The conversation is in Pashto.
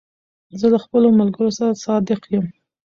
زه له خپلو ملګرو سره صادق یم.